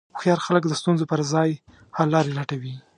هوښیار خلک د ستونزو پر ځای حللارې لټوي.